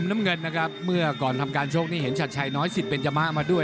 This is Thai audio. เมื่อก่อนทำการโชคนี่เห็นชัดชัยน้อยสิทธิ์เป็นยะมะมาด้วย